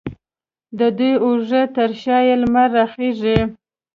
د دوو اوږو ترشا یې، لمر راخیژې